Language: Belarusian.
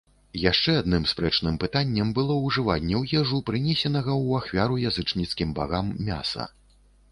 Яшчэ аднім спрэчным пытаннем было ўжыванне ў ежу прынесенага ў ахвяру язычніцкім багам мяса.